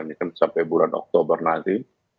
ini kan sampai bulan oktober nanti